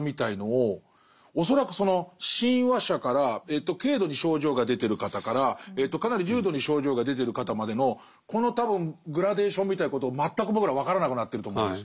恐らくその親和者から軽度に症状が出てる方からかなり重度に症状が出てる方までのこの多分グラデーションみたいなことを全く僕らは分からなくなってると思うんです。